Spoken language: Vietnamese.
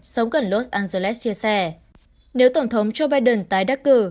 sống gần los angeles chia sẻ nếu tổng thống joe biden tái đắc cử